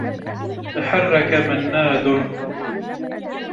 تحرّك منّاد.